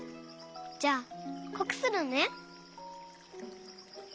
じゃあこくするね！